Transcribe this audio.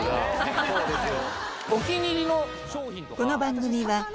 そうですよ